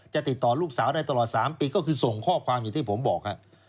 ติดต่อลูกสาวได้ตลอด๓ปีก็คือส่งข้อความอย่างที่ผมบอกครับ